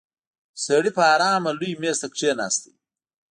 سړی په آرامه لوی مېز ته کېناست.